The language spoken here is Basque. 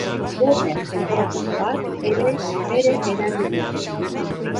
Gune geografikoak ere bere eragina du.